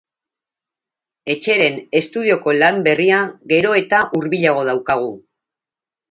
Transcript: Etxeren estudioko lan berria gero eta hurbilago daukagu.